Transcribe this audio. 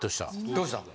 どうしたん？